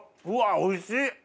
うわおいしい！